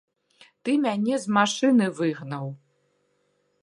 Ты мяне з машыны выгнаў!